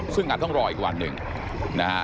ซึ่งอาจต้องรออีกวันหนึ่งนะฮะ